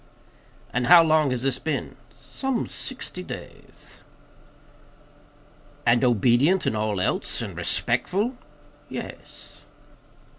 "And how long has this been?" "Some sixty days." "And obedient in all else? And respectful?" "Yes."